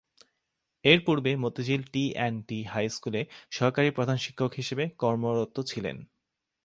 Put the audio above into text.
এর পূর্বে Motijheel T and T high স্কুলে সহকারী প্রধান শিক্ষক হিসেবে কর্মরত ছিলেন।